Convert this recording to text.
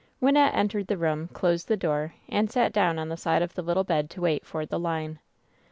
Wynnette entered the room, closed the door, and sat down on the side of the little bed to wait for the "line."